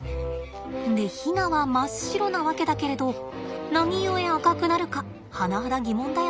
でヒナは真っ白なわけだけれど何故赤くなるか甚だ疑問だよね。